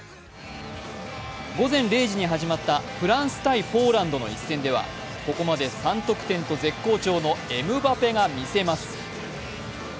午前０時に始まったフランス×ポーランドの一戦ではここまで３得点と絶好調のエムバペが見せます。